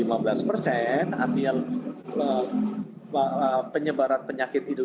artinya penyebaran penyakit itu